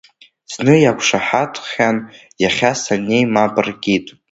Зны иақәшаҳаҭхан, иахьа саннеи мап ркит.